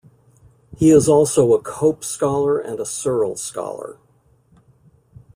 He is also a Cope Scholar and a Searle Scholar.